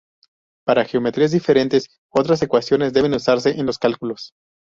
Para geometrías diferentes, otras ecuaciones deben usarse en los cálculos.